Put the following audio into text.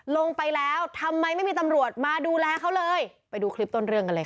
ลงไปแล้วทำไมไม่มีตำรวจมาดูแลเขาเลยไปดูคลิปต้นเรื่องกันเลยค่ะ